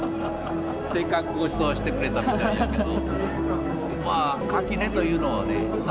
せっかくごちそうしてくれたみたいやけど。